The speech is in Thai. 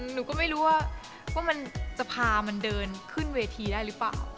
หนูก็ไม่รู้ว่ามันจะพามันเดินขึ้นเวทีได้หรือเปล่า